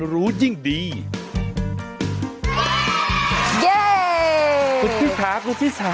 คุณพี่สาคุณพี่สา